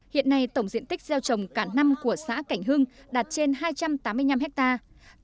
hiện nay tổng diện tích gieo trồng cả năm của xã cảnh hưng đạt trên hai trăm tám mươi năm hectare